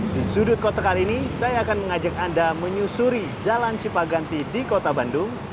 di sudut kota kali ini saya akan mengajak anda menyusuri jalan cipaganti di kota bandung